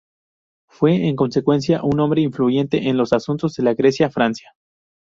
Fue en consecuencia un hombre influyente en los asuntos de la Grecia franca.